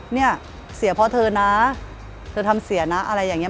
เนี่ยเสียเพราะเธอนะเธอทำเสียนะอะไรอย่างนี้